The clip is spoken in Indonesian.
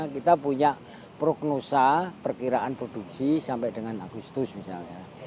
kita punya prognosa perkiraan produksi sampai dengan agustus misalnya